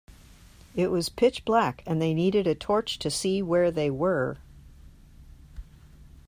It was pitch black, and they needed a torch to see where they were